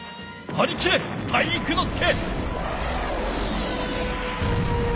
はりきれ体育ノ介！